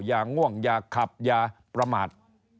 ง่วงอย่าขับอย่าประมาท